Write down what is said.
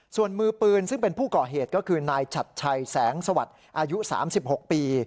ส่วนมือปืนซึ่งเป็นผู้ก่อเหตุก็คือนายชัดชัยแสงสวัสดิ์อายุ๓๖ปี